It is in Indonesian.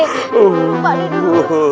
dulu pak d dulu